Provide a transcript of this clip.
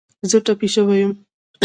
زه ټپې شوی یم